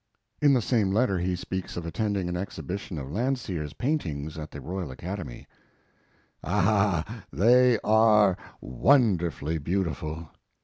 In the same letter he speaks of attending an exhibition of Landseer's paintings at the Royal Academy: Ah, they are wonderfully beautiful!